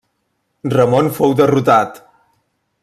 Ramon fou derrotat.